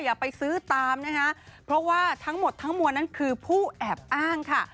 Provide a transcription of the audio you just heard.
อย่าไปซื้อตามนะคะเพราะว่าทั้งหมดทั้งมวลนั้นคือผู้แอบอ้างค่ะ